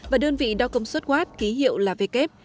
và đơn vị đo công suất watt ký hiệu là w